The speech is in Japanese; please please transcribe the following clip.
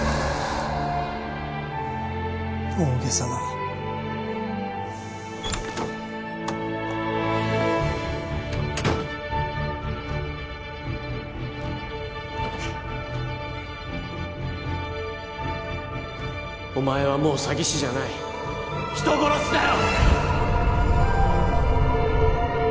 大げさなお前はもう詐欺師じゃない人殺しだよ！